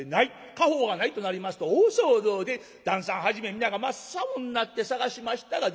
家宝がないとなりますと大騒動で旦さんはじめ皆が真っ青になって捜しましたが出てまいりません。